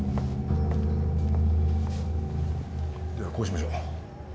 ではこうしましょう。